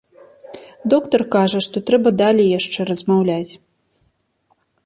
Доктар кажа, што трэба далей яшчэ размаўляць.